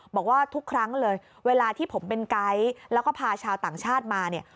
บอกว่าทุกครั้งเลยเวลาที่ผมเป็นไกด์แล้วก็พาชาวต่างชาติมาเนี่ย